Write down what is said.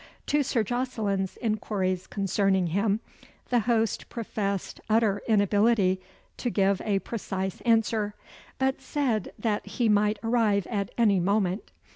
To Sir Jocelyn's inquiries concerning him, the host professed utter inability to give a precise answer, but said that he might arrive at any moment.